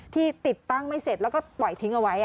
ที่ติดตั้งไม่เสร็จแล้วก็ปล่อยทิ้งเอาไว้